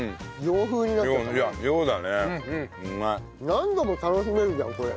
何度も楽しめるじゃんこれ。